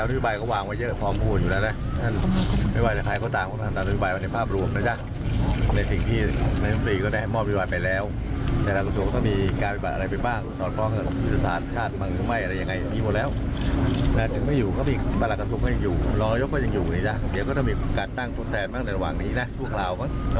นี่ค่ะนายกรัฐมนตรีวันนี้ก็ลงพื้นที่อยู่ที่พระนครศรีอยุธยา